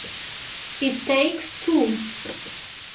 It Takes Two